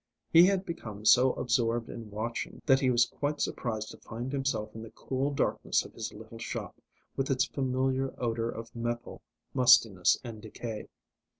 He had become so absorbed in watching that he was quite surprised to find himself in the cool darkness of his little shop, with its familiar odour of methyl, mustiness, and decay.